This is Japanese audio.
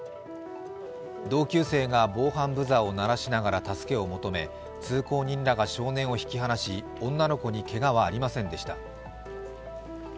同級生が防犯ブザーを鳴らしながら助けを求め、通行人らが女の子を引き離し、女の子にけがはありませんでした。